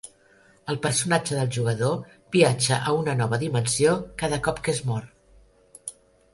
El personatge del jugador viatja a una nova dimensió cada cop que es mor.